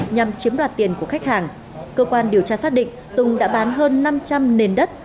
nhằm chiếm đoạt tiền của khách hàng cơ quan điều tra xác định tùng đã bán hơn năm trăm linh nền đất